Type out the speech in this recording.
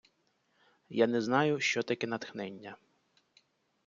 Я не знаю, що таке натхнення.